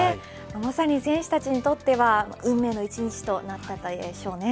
まさに選手たちにとっては運命の一日となったでしょうね。